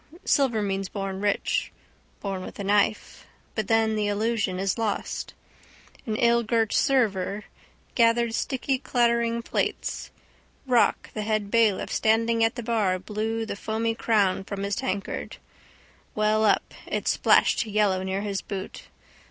Silver means born rich. Born with a knife. But then the allusion is lost. An illgirt server gathered sticky clattering plates. Rock, the head bailiff, standing at the bar blew the foamy crown from his tankard. Well up: it splashed yellow near his boot.